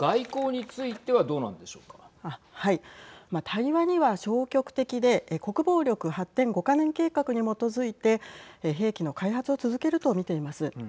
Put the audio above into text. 対話には消極的で国防力発展５か年計画に基づいて兵器の開発を続けると見ています。